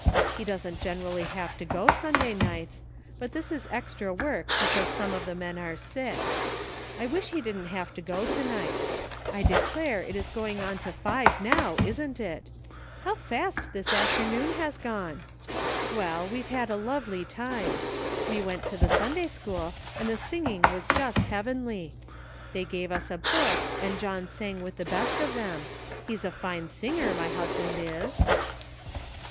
He doesn't generally have to go Sun day nights, but this is extra work because some of the men are sick. I wish he didn't have to go to night. I declare, it ;s going on to ^y§ NIGHT WORK. 113 now, isn't it? how fast this afternoon has gone! Well, we had a lovely time. We went to the Sunday school, and the singing was just heav enly. They gave us a book, and John sang with the best of them ; he's a tine singer, my husband is."